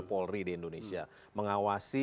polri di indonesia mengawasi